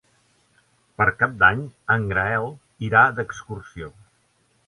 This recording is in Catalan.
Per Cap d'Any en Gaël irà d'excursió.